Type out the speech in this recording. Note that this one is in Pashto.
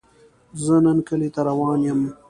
زۀ نن کلي ته روان يم